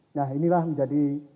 nah inilah menjadi